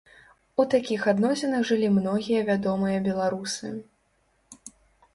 У такіх адносінах жылі многія вядомыя беларусы.